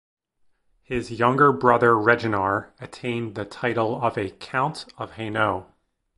His younger brother Reginar attained the title of a Count of Hainaut.